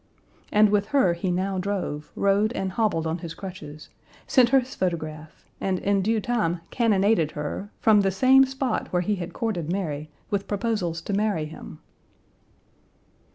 And with her he now drove, rode, and hobbled on his crutches, sent her his photograph, and in due time cannonaded her, from the same spot where he had courted Mary, with proposals to marry him.